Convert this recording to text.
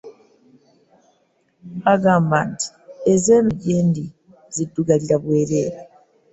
Agamba nti ez'eno gye ndi zaddugalira bwereere.